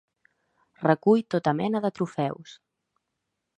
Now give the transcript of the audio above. Recull tota mena de trofeus.